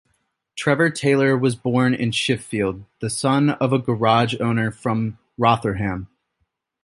Trevor Taylor was born in Sheffield, the son of a garage owner from Rotherham.